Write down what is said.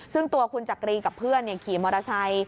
ซึ่งตัวคุณจักรีกับเพื่อนขี่มอเตอร์ไซค์